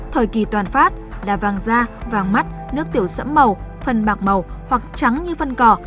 thời kỳ toàn phát là vàng da vàng mắt nước tiểu sẫm màu phân bạc màu hoặc trắng như phân cò